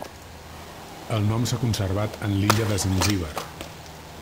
El nom s'ha conservat en l'illa de Zanzíbar.